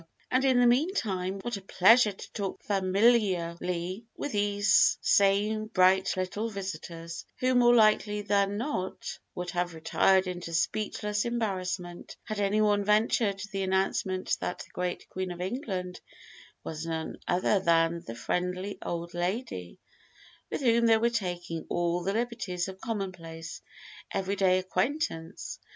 And, in the mean time, what a pleasure to talk familiarly with these same bright little visitors, who more likely than not would have retired into speechless embarrassment had anyone ventured the announcement that the great Queen of England was none other than the friendly "old lady" with whom they were taking all the liberties of commonplace, every day acquaintance!